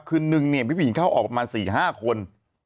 คืนนึงเนี่ยมีผู้หญิงเข้าออกประมาณ๔๕คน